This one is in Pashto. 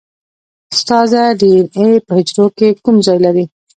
استاده ډي این اې په حجره کې کوم ځای لري